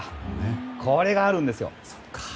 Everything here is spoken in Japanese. これがあるんですよ。